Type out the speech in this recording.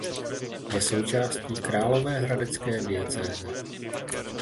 Je součástí Královéhradecké diecéze.